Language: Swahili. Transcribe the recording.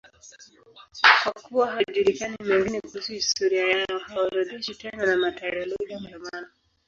Kwa kuwa hayajulikani mengine kuhusu historia yao, hawaorodheshwi tena na Martyrologium Romanum.